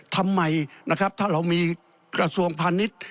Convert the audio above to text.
ทำไมนะครับถ้าเรามีกระทรวงพาณิชย์